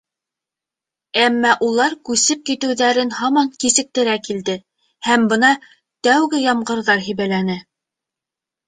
Әммә улар күсеп китеүҙәрен һаман кисектерә килде, һәм бына тәүге ямғырҙар һибәләне.